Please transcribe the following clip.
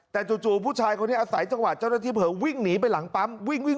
แต่จู่ผู้ชายคนนี้อาศัยจังหวะเจ้าหน้าที่เผลอวิ่งหนีไปหลังปั๊มวิ่ง